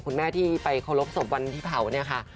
คุณแม่ที่ไปขอบสมวัลที่เผ่าเนี่ยค่ะ